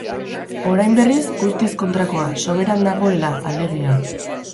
Orain berriz, guztiz kontrakoa, soberan dagoela, alegia.